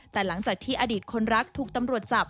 แต่หลังจากที่อดีตคนรักถูกตำรวจจับ